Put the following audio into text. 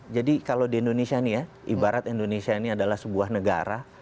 jadi kalau di indonesia ini ya ibarat indonesia ini adalah sebuah negara